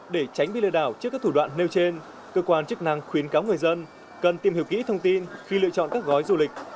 để tránh bị lừa đảo trước các thủ đoạn nêu trên cơ quan chức năng khuyến cáo người dân cần tìm hiểu kỹ thông tin khi lựa chọn các gói du lịch